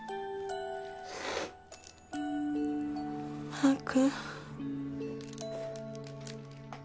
マー君。